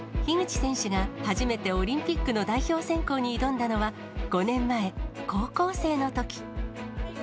樋口選手が、初めてオリンピックの代表選考に挑んだのは、５年前、高校生のとき。